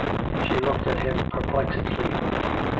She looked at him perplexedly.